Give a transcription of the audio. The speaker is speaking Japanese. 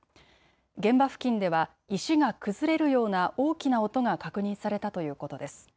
現場付近では石が崩れるような大きな音が確認されたということです。